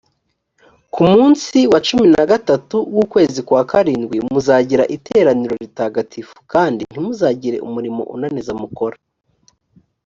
ku munsi wa cumi na gatatu w’ukwezi kwa karindwi, muzagira iteraniro ritagatifu kandi ntimuzagire umurimo unaniza mukora. muzahimbaza uhoraho, mumukorere itambagira ry’iminsi irindwi.